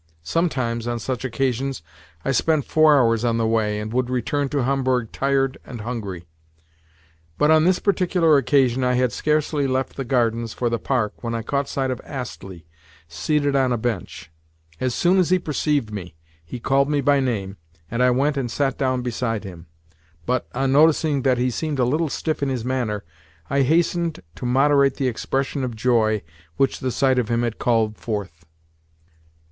Sometimes, on such occasions, I spent four hours on the way, and would return to Homburg tired and hungry; but, on this particular occasion, I had scarcely left the gardens for the Park when I caught sight of Astley seated on a bench. As soon as he perceived me, he called me by name, and I went and sat down beside him; but, on noticing that he seemed a little stiff in his manner, I hastened to moderate the expression of joy which the sight of him had called forth.